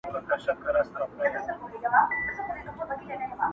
مور په تياره کي ناسته ده او ځان کمزوری بې وسه احساسوي،